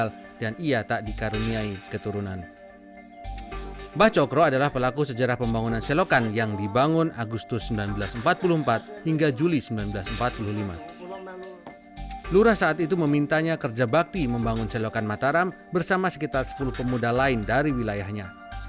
lurah saat itu memintanya kerja bakti membangun celokan mataram bersama sekitar sepuluh pemuda lain dari wilayahnya